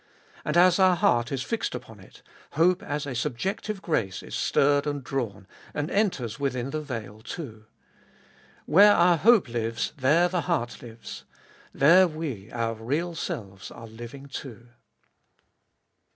And as our heart is fixed upon it, hope as a subjective grace is stirred and drawn, and enters within the veil too. Where our hope lives there the heart lives. There we, our real selves, are living too.